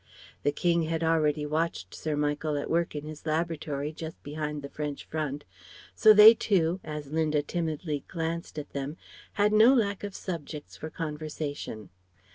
The King had already watched Sir Michael at work in his laboratory just behind the French front; so they two, as Linda timidly glanced at them, had no lack of subjects for conversation.